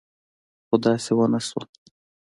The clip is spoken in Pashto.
خو داسې ونه شول.